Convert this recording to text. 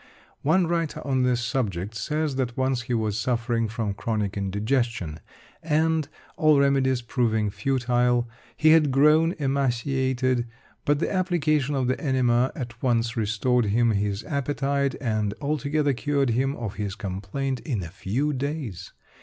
One writer on this subject says that once he was suffering from chronic indigestion and, all remedies proving futile; he had grown emaciated, but the application of the enema at once restored him his appetite, and altogether cured him of his complaint in a few days.